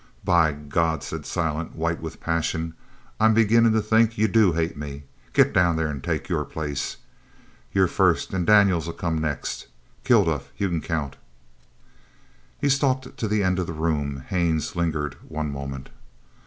"By God," said Silent, white with passion, "I'm beginnin' to think you do hate me! Git down there an' take your place. You're first an' Daniels comes next. Kilduff, you c'n count!" He stalked to the end of the room. Haines lingered one moment.